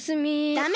ダメ！